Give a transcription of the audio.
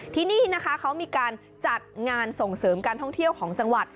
ที่นี่นะคะเขามีการจัดงานส่งเสริมการท่องเที่ยวของจังหวัด